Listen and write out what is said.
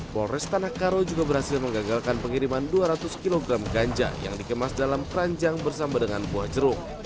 polres tanah karo juga berhasil menggagalkan pengiriman dua ratus kg ganja yang dikemas dalam keranjang bersama dengan buah jeruk